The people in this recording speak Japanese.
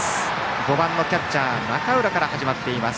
５番のキャッチャー、中浦から始まっています。